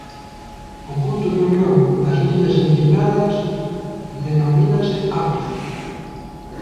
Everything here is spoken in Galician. O punto de unión das liñas inclinadas denomínase ápice.